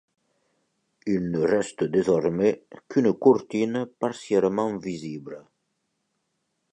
Il ne reste désormais qu'une courtine partiellement visible.